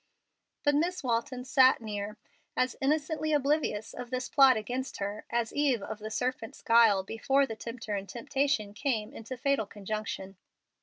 But Miss Walton sat near, as innocently oblivious of this plot against her as Eve of the serpent's guile before the tempter and temptation came into fatal conjunction.